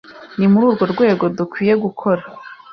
ni muri urwo rwego dukwiye gukora